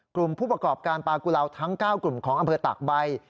กลุ่มผู้ประกอบการปลากุลาวทั้ง๙กลุ่มของอำเภอตากใบ